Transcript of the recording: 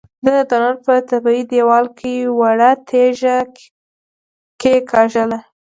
ده د تونل په طبيعي دېوال کې وړه تيږه کېکاږله.